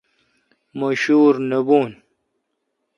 مہ شور نہ بھون